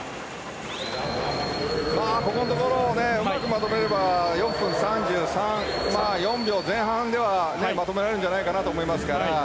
ここのところをねうまくまとめれば４分３３３４秒前半ではまとめられるんじゃないかなと思うんですが。